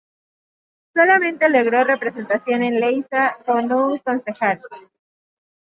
Solamente logró representación en Leiza, con un concejal.